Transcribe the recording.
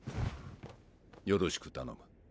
よろしく頼む。